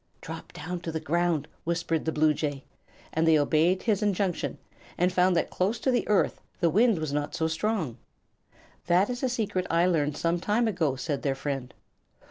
"Drop down to the ground," whispered the bluejay; and they obeyed his injunction and found that close to the earth the wind was not so strong. "That is a secret I learned some time ago," said their friend.